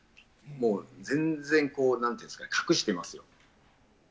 もう全然なんていうんですか、隠してますよ。